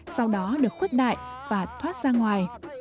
sau đó được khuất đại và thoát ra ngoài